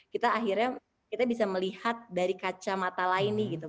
kita akhirnya kita bisa melihat dari kacamata lain nih gitu